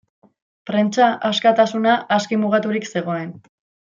Prentsa askatasuna aski mugaturik zegoen.